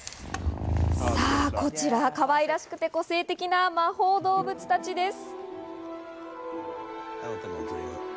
こちらかわいらしくて個性的な魔法動物たちです。